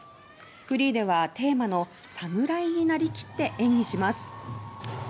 フリーではテーマの「サムライ」になりきって演技します。